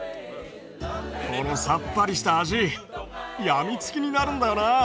このさっぱりした味病みつきになるんだよな。